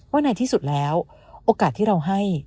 ในที่สุดแล้วโอกาสที่เราให้